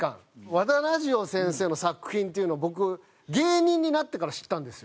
和田ラヂヲ先生の作品っていうのを僕芸人になってから知ったんです。